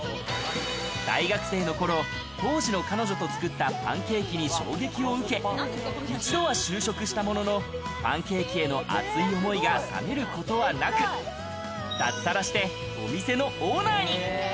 大学生の頃、当時の彼女と作ったパンケーキに衝撃を受け、一度は就職したものの、パンケーキへの熱い思いが冷めることはなく、脱サラしてお店のオーナーに。